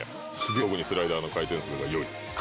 「特にスライダーの回転数が良い」。